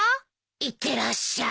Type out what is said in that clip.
いってらっしゃい。